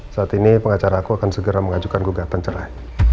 saat ini pengacara aku akan segera mengajukan gugatan cerai